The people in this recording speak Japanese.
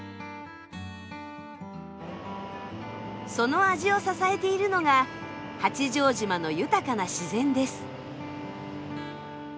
その味を支えているのが八丈島の豊かな自然です。